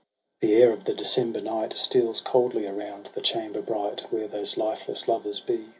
The air of the December night Steals coldly around the chamber bright. Where those lifeless lovers be.